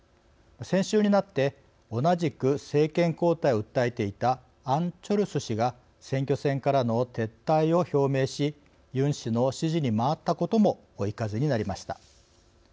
先週になって同じく政権交代を訴えていたアン・チョルス氏が選挙戦からの撤退を表明しユン氏の支持に回ったことも追い風になりました。